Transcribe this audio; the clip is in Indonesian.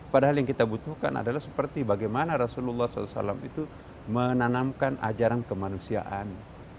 padahal yang kita butuhkan adalah seperti bagaimana rasulullah saw itu menanamkan ajaran kemanusiaan